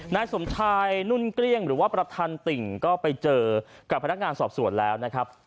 นายสมชายนุ่นเกลี้ยงหรือว่าประธานติ่งก็ไปเจอกับพนักงานสอบสวนแล้วนะครับ